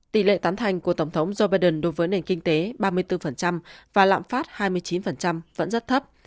tỷ lệ tán thành của tổng thống joe biden đối với nền kinh tế ba mươi bốn và lạm phát hai mươi chín vẫn rất thấp